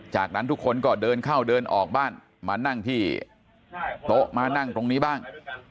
จากนั้นทุกคนก็เดินเข้าเดินออกบ้านมานั่งที่โต๊ะมานั่งตรงนี้บ้าง